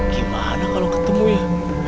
gimana kalau ketemu ya